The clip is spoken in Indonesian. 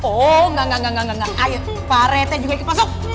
oh enggak enggak enggak enggak enggak ayo pak rete juga ikut masuk